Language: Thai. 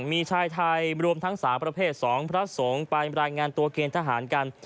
มีชายไทยรวมทั้งสาวประเภท๒พระสงฆ์ไปรายงานตัวเกณฑ์ทหารกัน